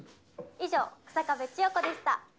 以上日下部千世子でした。